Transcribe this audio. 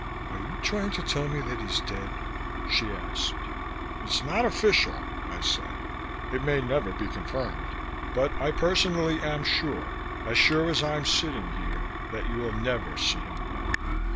"Are you trying to tell me that he's dead?" she asked. "It's not official," I said. "It may never be confirmed, but I personally am sure, as sure as I'm sitting here that you'll never see him again."